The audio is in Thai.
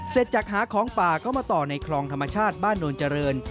เสร็จจากหาของป่าก็มาต่อในคลองธรรมชาติบ้านโนนเจริญ